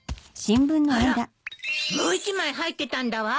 あらもう１枚入ってたんだわ。